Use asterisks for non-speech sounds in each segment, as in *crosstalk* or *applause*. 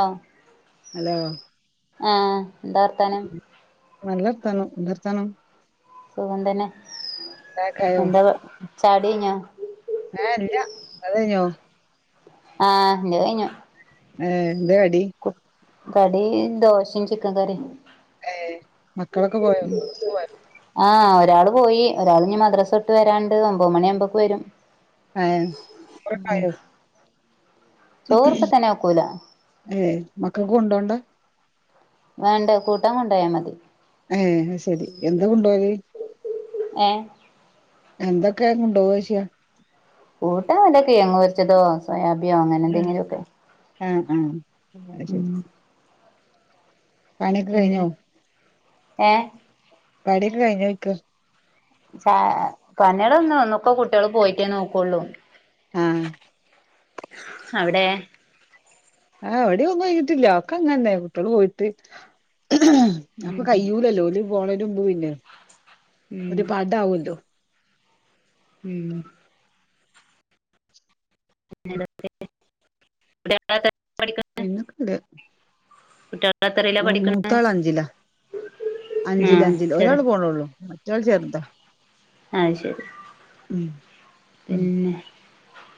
അ hello ആ എന്താ വർത്താനം നല്ലർത്തനം എന്തർത്താനം സുഖം തന്നെ ചായക്കായോ എന്താ ചായുടി കഴിഞ്ഞൊ ഏ ഇല്ല ഇങ്ങൾതഴിഞ്ഞോ ആ ൻ്റേ കഴിഞ്ഞു ഏന്തേ കടി കടി ദോശിം ചിക്കൻ കറിം ഏ മക്കളൊക്കെ പോയോ മദ്രസ് പോയോ ആ ഒരാള് പോയി ഒരാള് ഞ്ഞ് മദ്രസ്ട്ട് വരാണ്ട് ഒമ്പത് മണി ആവുമ്പോക്ക് വരും ഏം ചോറൊക്കായൊ ചോർ പ്പതന്നെ വെക്കൂല മക്കക്ക് കൊണ്ടോണ്ട വേണ്ട കൂട്ടാകൊണ്ടായ മതി ഏ ശരി എന്താ കൊണ്ടോവല് ഏ എന്തൊക്കെ കൊണ്ടോവോശിയ കൂട്ടാ വല്ല കിഴങ്ങ് വെച്ചതോ സോയാബി അങ്ങനെ ന്തെങ്കിലൊക്കെ ആ അ അത് ശരി പണിയൊക്കെ കഴിഞ്ഞോ ഏ പണിയൊക്കെ കഴിഞ്ഞോയ്ക്ക ചായ പണ്യളൊന്നും ഒക്കെ കുട്ട്യാള് പോയിട്ടേ നോക്കൊള്ളൂ ആ അവടെ ആ എവട്യൊന്നും കഴിഞ്ഞിട്ടില്ല ഒക്കെ അങ്ങൻന്നെ കുട്ട്യള് പോയിട്ട് അപ്പൊ ഉം കയ്യൂലല്ലോ ഓല് പോണന്റെ മുമ്പ് പിന്നെ ഒരു ഉം പടാവുല്ലോ ഉം *unintelligible* പിന്നക്കണ്ട് കുട്ടികളെത്രയിലാ ഓ, പഠിക്കണെ മൂത്താളഞ്ചിലാ അഞ്ചില്, ആഹ് അഞ്ചില് ഒരാൾ ചെറി പോണുള്ളൂ. മറ്റേയാൾ ചെറുതാ ആ, ശരി പിന്നെ..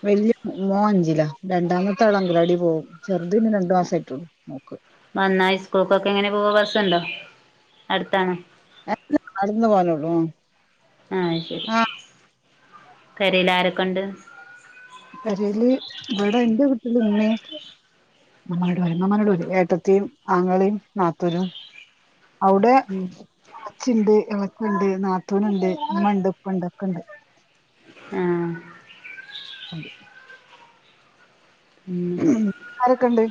വലിയ മോനഞ്ചിലാ രണ്ടാമത്തെയാള് അംഗൻവാടിയിൽ പോകും. ചെറുത് പിന്നെ രണ്ടു മാസമായിട്ടുള്ളൂ മോക്ക് വന്നാൽ സ്കൂൾക്കൊക്കെ എങ്ങനെപോവും ബസുണ്ടോ അടുത്താണോ എ. ഇവിടുന്ന് നടന്നുപോകാനുള്ളൂ ആശരി പെരയിലാ രൊക്കെണ്ട്. കരയിലിവിടെയെന്റെ വീട്ടില് ഉമ്മയും ഏട്ടത്തിയും ആങ്ങളയും നാത്തൂനും ഉം അവിടെയച്ചിണ്ട് എള ച്ചിണ്ട്. നാത്തൂനുണ്ട്. ഉമ്മായുണ്ടാപ്പാ യുണ്ട്. ഒക്കെയുണ്ട് ആ അത് ഉം ആരൊക്കെയുണ്ട്.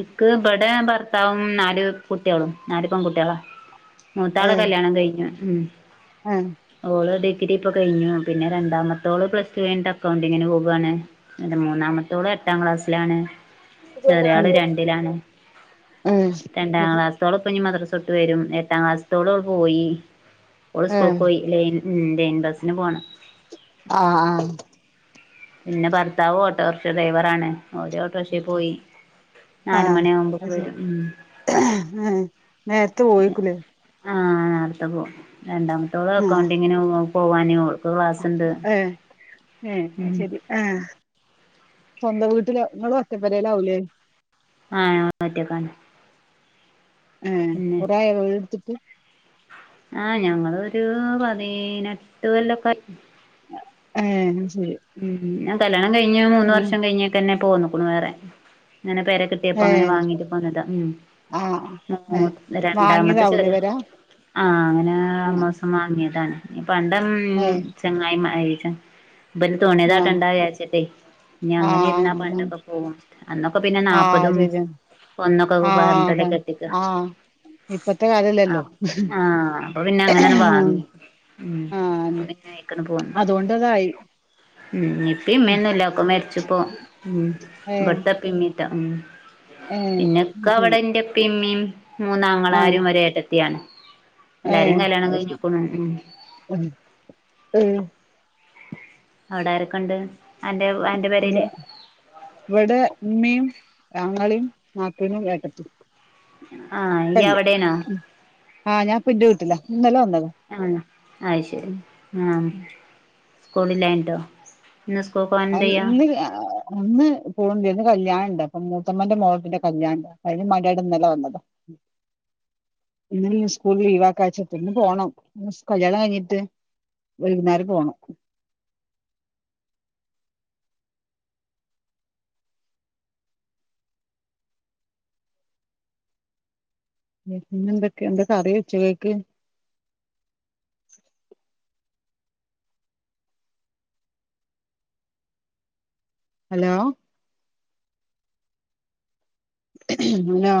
ഇക്കിവിടെ ഭർത്താവും നാലുകുട്ടികളും. നാലു പെൺകുട്ടികളാ.. ഏ മൂത്താളുകല്ല്യാണം കഴിഞ്ഞതാ ഉം ഏ ഓള്, ഡി ഗ്രി ഇപ്പംകഴിഞ്ഞു. പിന്നെ രണ്ടാമത്തോളുപ്ലസ് ടു കഴിഞ്ഞ്അക്കൗണ്ടിങ്ങിനുപോകുവാണ്, പിന്നെ മൂന്നാമത്തോള്.. പത്താം ക്ലാസ്സിലാണ് ചെറിയാളുരണ്ടിലാണ്. ഏ രണ്ടാംക്ലാസ്ത്തോളൊപ്പനിമദ്റസ് ട്ട് വരും. എട്ടാം ക്ലാസത്തോളുപോയി ഓള് ഏ സ്കൂൾ പോയി, ലൈൻ ഉം.. ലൈൻ ബസിനുപോണം. ആ ആ പിന്നെ. ഭർത്താവ് ഓട്ടോറിക്ഷ ഡ്രൈവറാ ണ്. ഓര് ഓട്ടോറിക്ഷയിൽ പോയി ആ.. നാല് മണിയാകുമ്പോക്ക് അതു ശരി വരും ഉം ഏ.. നേരത്തെ പോയിക്കൂലേ ആ... നേരത്തെപോകും. രണ്ടാമത്തോള്അക്കൗണ്ടിങ്ങിനുപോവാനേയുള്ളൂ ഏ.. ഏ.. ഉം ശരി ആ.. സ്വന്തം വീട്ടിലെപ്പിളും ഒറ്റപ്പുരയിലാവൂലേ ആ പറ്റിയതുതന്നെ ഏ കെറെ ആ യോ വീട് ട്ത്ത്ട്ട് ആ ഞങ്ങളൊരു പതിനെട്ടുകൊല്ലക്കെ ആയി ഏ ഉം ഞാൻകല്യാണം കഴിഞ്ഞു ഉം മൂന്നുവർഷം കഴിഞ്ഞിട്ടന്നെ പോന്നുക്ണു വേറെ ങ്ങനെ പെരകിട്ടിയപ്പോ ങ്ങനെ ഏഹ് വാങ്ങിട്ട് പോന്നതാ ഉം.. ആഹ് ഏഹ് മൂത്ത രണ്ടാമത്തെ വാങ്ങിയതാവൂലേ ചെറിയ പെര ആ ഏഹ് അങ്ങനെആമാസം വാങ്ങിയതാണ്. പണ്ടം ഏഹ് ചങ്ങായിമാരെ *unintelligible* ബന് തോന്നിയതാക്കണ്ടാ വിചാരിച്ചിട്ടേ ഇനി അങ്ങനെയിരുന്നാ പണ്ടൊക്കെ പോകും. അന്നൊക്കെ പിന്നെ ആ നാപ്പതും ശരി ആണ് ഒന്നൊക്കെ ആ പറഞ്ഞിട്ടല്ലേ അതാണ് കെട്ടിക്ക ആ ഇപ്പത്തെ കാലല്ലല്ലോ ആഹ് ആഹ് അപ്പൊ പിന്നെ ആ അങ്ങനെയാണ് വാങ്ങി ഉം അ അപ്പൊ അന്നെ പിന്നെ അയിക്കണ് പോന്നു അതുകൊണ്ടതായി ഉം ഇപ്പയുമ്മയുംമെല്ലാ ഒക്കെ മരിച്ചപ്പോ ഉം ഏഹ് ഇവിടുത്തപ്പമ്മീട്ടോ ഉം ഏഹ് അത് ശരി പിന്നൊക്കയവിടെ യെന്റുപ്പയുമ്മയീം മൂന്നാങ്ങളമാരും ഒരേ ട്ടത്തിയുമാണ്. ഏ അതുശരി ഉം ഉം ഉം അവിടയാരൊക്കെയുണ്ട് അൻ ഇവിടു. മ്മയും ആങ്ങളയും നാത്തൂനുമേട്ടത്തിയും ആ.. നീ അവിടെയാണോ ആ.. ഞാനിപ്പന്റെ വീട്ടിലാ, ഇന്നല്ലേവന്നത്. ആഹ് അത് ശരി ഉം ആഹ് സ്കൂളില്ലാഞ്ഞിട്ടോ ഇന്ന് സ്കൂൾക്ക് പോവാൻ അ, എന്തെയ്യാ ഇന്നില്ല. ഇന്ന് പോണ്ടന്ന്, കല്യാണിണ്ട്, അപ്പൊ മൂത്തമ്മന്റെ, മോളെ കുട്ടിന്റെ, കല്യാണണ്ട്, അപ്പൊ അയ്‌നുംമാണ്ടി ന്നലെ, വന്നത. ഇന്നിന്നെ, സ്കൂൾ, ലീവാക്കാച്ചിട്ട് ന്ന്, പോണം, ന്ന്, കല്യാണം, കഴിഞ്ഞിട്ട് വൈകുന്നേരം, പോണം. പിന്നെ, എന്തൊക്കെ, എന്ത കറി വെച്ചത് അയിക് ഹലോ. ഹലോ